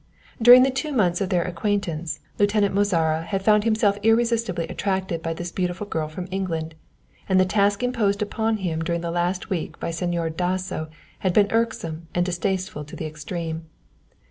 During the two months of their acquaintance, Lieutenant Mozara had found himself irresistibly attracted by this beautiful girl from England, and the task imposed upon him during the last week by Señor Dasso had been irksome and distasteful in the extreme.